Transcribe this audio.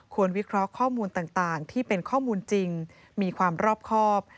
วิเคราะห์ข้อมูลต่างที่เป็นข้อมูลจริงมีความรอบครอบ